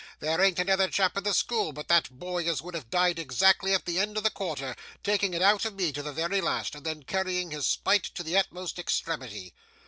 There an't another chap in the school but that boy as would have died exactly at the end of the quarter: taking it out of me to the very last, and then carrying his spite to the utmost extremity.